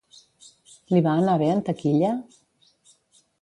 Li va anar bé en taquilla?